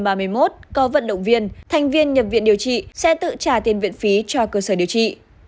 có vận động viên thành viên nhập viện điều trị sẽ tự trả tiền viện phí cho cơ sở điều trị